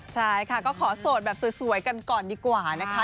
ใช่ค่ะก็ขอโสดแบบสวยกันก่อนดีกว่านะคะ